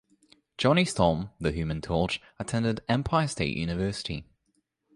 Johnny Storm, the Human Torch, attended Empire State University.